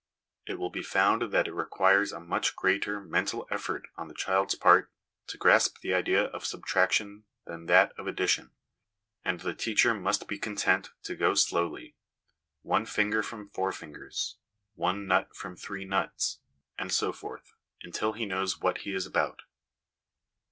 It will be found that it requires a much greater mental effort on the child's part to grasp the idea of subtraction than that of addition, and the teacher must be content to go slowly one finger from four fingers, one nut from three nuts, and so forth, until he knows what he is about.